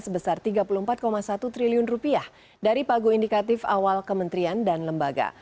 sebesar rp tiga puluh empat satu triliun dari pagu indikatif awal kementerian dan lembaga